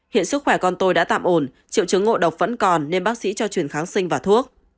hiện sức khỏe con tôi đã tạm ổn triệu chứng ngộ độc vẫn còn nên bác sĩ cho chuyển kháng sinh và thuốc